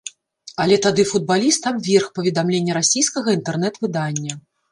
Але тады футбаліст абверг паведамленне расійскага інтэрнэт-выдання.